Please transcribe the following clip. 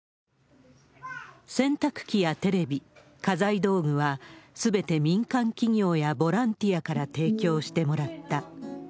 洗濯機やテレビ、家財道具は、すべて民間企業やボランティアから提供してもらった。